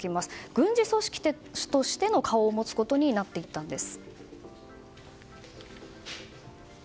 軍事組織としての顔を持つことになっていったんです。